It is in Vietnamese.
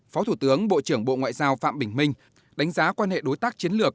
phó thủ tướng bộ trưởng bộ ngoại giao phạm bình minh đánh giá quan hệ đối tác chiến lược